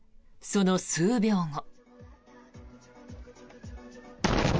その数秒後。